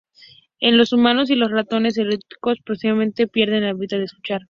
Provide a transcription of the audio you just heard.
En los humanos y en los ratones heterocigotos progresivamente pierden su habilidad de escuchar.